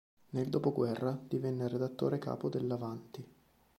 Nel dopoguerra divenne redattore capo dell"'Avanti!